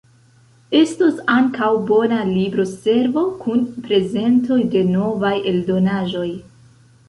Estos ankaŭ bona libro-servo kun prezentoj de novaj eldonaĵoj.